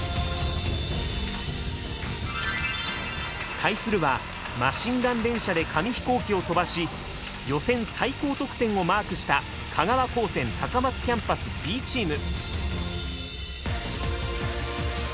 対するはマシンガン連射で紙飛行機を飛ばし予選最高得点をマークした香川高専高松キャンパスＢチーム。